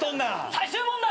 最終問題！